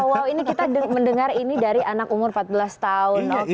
wow ini kita mendengar ini dari anak umur empat belas tahun